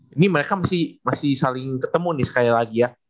ini mereka masih saling ketemu nih sekali lagi ya